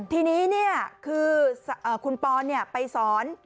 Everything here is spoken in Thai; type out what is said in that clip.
ทีนี้เนี่ยคือคุณปอนเนี่ยไปสอน